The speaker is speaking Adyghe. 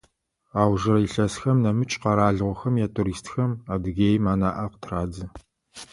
Аужрэ илъэсхэм нэмыкӏ къэралыгъохэм ятуристхэм Адыгеим анаӏэ къытырадзэ.